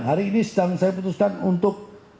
hari ini sedang saya putuskan untuk